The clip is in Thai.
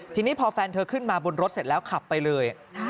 ทีนี้พอแฟนเธอขึ้นมาบนรถเสร็จแล้วขับไปเลย